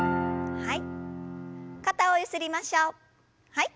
はい。